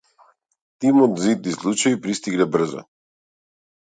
Тимот за итни случаи пристигна брзо.